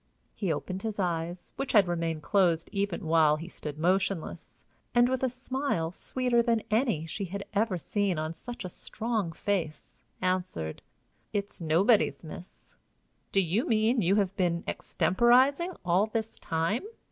He opened his eyes, which had remained closed even while he stood motionless, and, with a smile sweeter than any she had ever seen on such a strong face, answered: "It's nobody's, miss." "Do you mean you have been extemporizing all this time?"